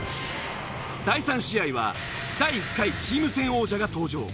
第３試合は第１回チーム戦王者が登場。